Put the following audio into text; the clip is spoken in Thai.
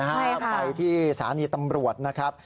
ไปที่สถานีตำรวจนะครับ